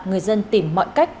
người dân tìm mọi cách